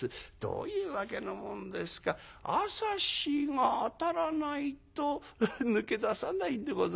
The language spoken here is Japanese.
どういうわけのもんですか朝日が当たらないと抜け出さないんでございますよ」。